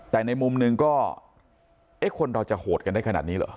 แต่ในมุมหนึ่งก็เอ๊ะคนเราจะโหดกันได้ขนาดนี้เหรอ